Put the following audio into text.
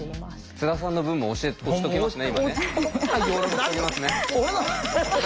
津田さんの分も押しときますね。